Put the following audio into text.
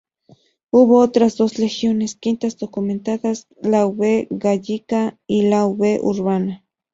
Hubo otras dos legiones "Quintas" documentadas, la V "Gallica" y la V "Urbana".